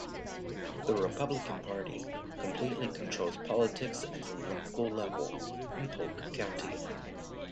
The Republican Party completely controls politics at the local level in Polk County.